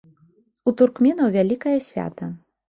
У туркменаў вялікае свята.